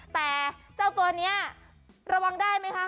แต่เจ้าตัวนี้ระวังได้ไหมคะ